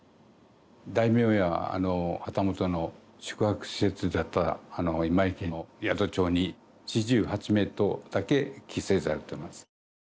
大名や旗本の宿泊施設だった今井家の宿帳に「主従八名」とだけ記載されてます。